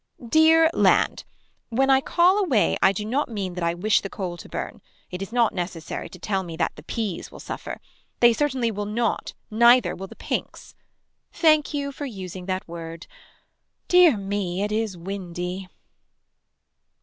Dear land. When I call away I do not mean that I wish the coal to burn. It is not necessary to tell me that the peas will suffer. They certainly will not neither will the pinks. Thank you for using that word. Dear me it is windy.